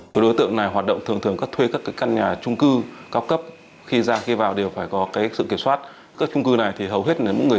các đối tượng thuê nhà ở hà nội để thực hiện hành vi phạm tội